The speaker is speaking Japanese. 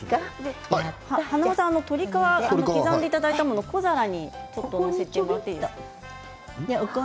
華丸さん、鶏皮刻んでいただいたものを小皿に入れていただいていいですか。